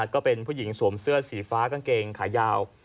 ก็เป็นผู้หญิงสวมเสื้อสีฟ้ากางเกงขายาว